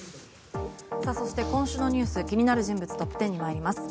そして、今週のニュース気になる人物トップ１０に参ります。